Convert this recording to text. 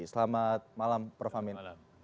selamat malam prof amin